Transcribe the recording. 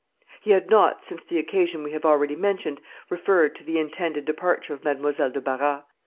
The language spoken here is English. He had not, since the occasion we have already mentioned, referred to the intended departure of Mademoiselle de Barras.